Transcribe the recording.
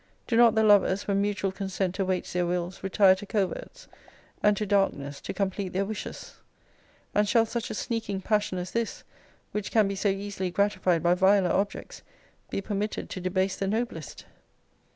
Do not the lovers, when mutual consent awaits their wills, retire to coverts, and to darkness, to complete their wishes? And shall such a sneaking passion as this, which can be so easily gratified by viler objects, be permitted to debase the noblest?